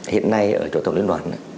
hiện nay ở chỗ tổng liên đoàn